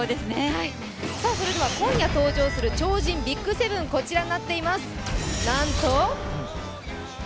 それでは今夜登場する超人ＢＩＧ７、こちらになっています。